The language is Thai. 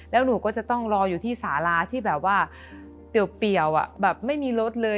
แล้วหนูก็จะต้องรออยู่ที่สาราที่แบบว่าเปรียวแบบไม่มีรถเลย